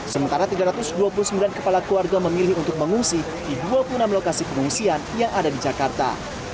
sementara tiga ratus dua puluh sembilan kepala keluarga memilih untuk mengungsi di dua puluh enam lokasi pengungsian yang ada di jakarta